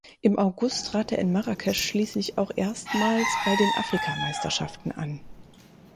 Im August trat er in Marrakesch schließlich auch erstmals bei den Afrikameisterschaften an.